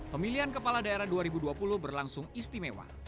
pemilihan kepala daerah dua ribu dua puluh berlangsung istimewa